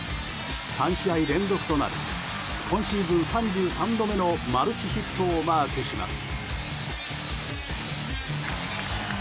３試合連続となる今シーズン３３度目のマルチヒットをマークします。